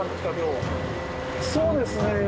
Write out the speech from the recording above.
そうですね。